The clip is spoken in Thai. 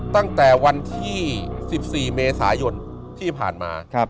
ตั้งแต่วันที่๑๔เมษายนที่ผ่านมา